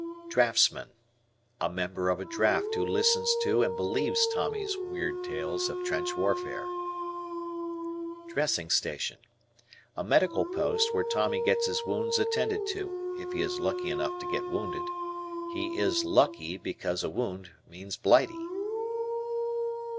Draftman. A member of a draft who listens to and believes Tommy's weird tales of trench warfare. Dressing Station. A medical post where Tommy gets his wounds attended to, if he is lucky enough to get wounded. He is "lucky," because a wound means Blighty.